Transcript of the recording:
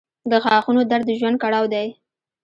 • د غاښونو درد د ژوند کړاو دی.